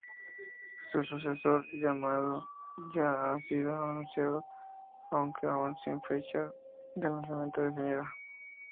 Su sucesor, llamado ya ha sido anunciado, aunque aún sin fecha de lanzamiento definida.